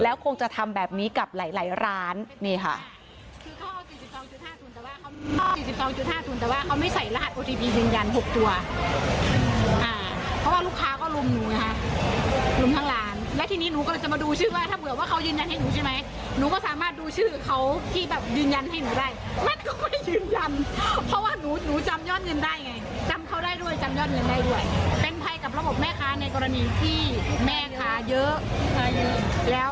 แล้วคงจะทำแบบนี้กับหลายร้านนี่ค่ะ